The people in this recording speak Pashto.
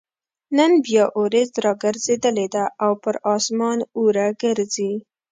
نن بيا اوريځ راګرځېدلې ده او پر اسمان اوره ګرځي